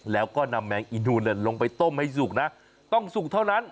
แล้วก็นำแมงอีนูนลงไปต้มให้สุกนะต้องสุกเท่านั้น